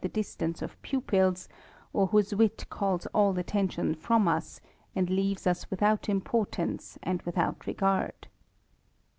P distance of pup ils, p r whose wit calls all attention from us, and leaves "STvithout importance and without regard.